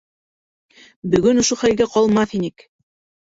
Бөгөн ошо хәлгә ҡалмаҫ инек!